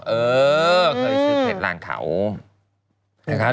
เออเคยซื้อเข็ดร้านเขา